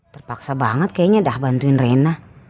terpaksa banget kayaknya dah bantuin rena